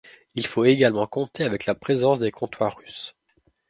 Il faut également compter avec la présence des comptoirs russes.